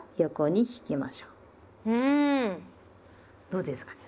どうですかね。